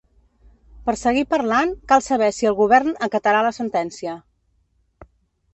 Per seguir parlant, cal saber si el govern acatarà la sentència.